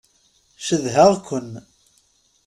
Cedhaɣ-ken.